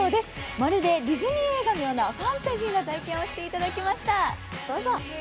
まるでディズニー映画のようなファンタジーな体験をしていただきました。